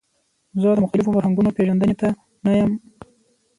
زه د مختلفو فرهنګونو پیژندنې ته نه یم.